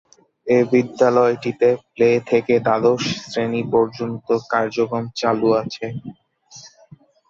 এ বিদ্যালয়টিতে প্লে থেকে দ্বাদশ শ্রেনি পর্যন্ত কার্যক্রম চালু আছে।